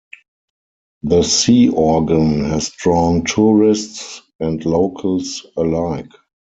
The Sea Organ has drawn tourists and locals alike.